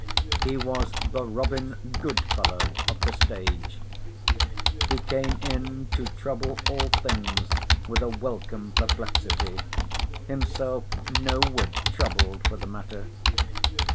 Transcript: He was the Robin Good Fellow of the stage. He came in to trouble all things with a welcome perplexity, himself no whit troubled for the matter.